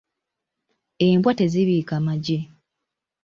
Embwa tezibiika magi.